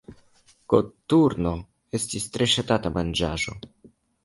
Koturno estas tre ŝatata manĝaĵo.